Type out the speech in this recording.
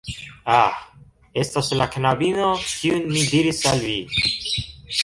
Ah, estas la knabino kiun mi diris al vi